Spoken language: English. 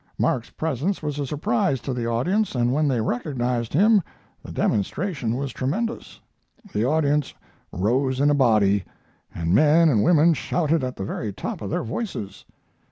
Mark's presence was a surprise to the audience, and when they recognized him the demonstration was tremendous. The audience rose in a body, and men and women shouted at the very top of their voices.